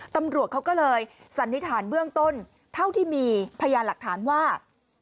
ตำรวจเขาก็เลยสันนิษฐานเบื้องต้นเท่าที่มีพยานหลักฐานว่า